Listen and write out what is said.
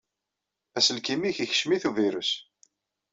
Aselkim-ik yekcem-it uvirus.